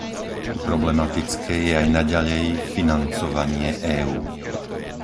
Problematické je aj naďalej financovanie EÚ.